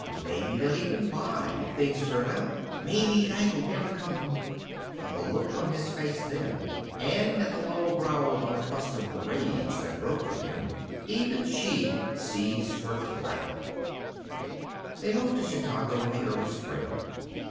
Maybe they'll even buy, if things turn out. Maybe Dike'll never come b " But at the look on his face then, and at the low growl of unaccustomed rage that broke from him, even she ceased her clatter. They moved to Chicago in the early spring.